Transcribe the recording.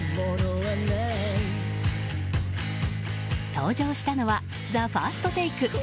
登場したのは「ＴＨＥＦＩＲＳＴＴＡＫＥ」。